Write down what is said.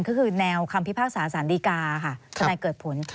ก็คือแนวคำพิพากษาสารดีกาค่ะทนายเกิดผล